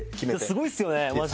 すごいっすよねマジで。